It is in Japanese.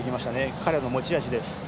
彼の持ち味です。